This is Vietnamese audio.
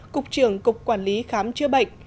cục trưởng cục quản lý khám chữa bệnh